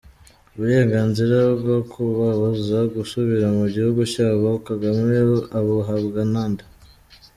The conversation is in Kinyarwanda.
Uburenganzira bwo kubabuza gusubira mu gihugu cyabo, Kagame abuhabwa nande ?